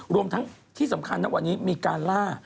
รวมทั้งที่สำคัญนะวันนี้มีการล่า